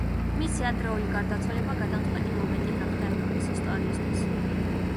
მისი ადრეული გარდაცვალება გადამწყვეტი მომენტი გახდა ევროპის ისტორიისთვის.